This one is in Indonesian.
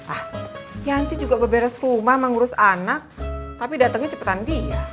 ah yanti juga beberes rumah sama ngurus anak tapi datengnya cepetan dia